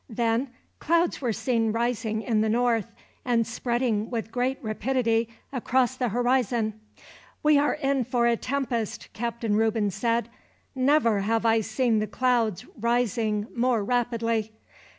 Then clouds were seen rising in the north, and spreading with great rapidity across the horizon. "We are in for a tempest," Captain Reuben said. "Never have I seen the clouds rising more rapidly.